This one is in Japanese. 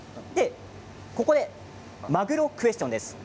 ここでまぐろクエスチョンです。